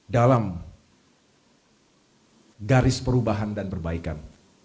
dalam garis perubahan dan perbaikan